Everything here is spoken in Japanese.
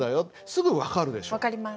すぐ分かるでしょ？